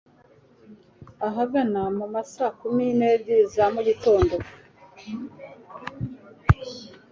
Ahagana mu ma saa kumi n'ebyiri za mu gitondo